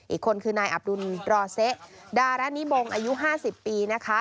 อีกคนคือนายอับดุลรอเซะดารณิบงอายุ๕๐ปีนะคะ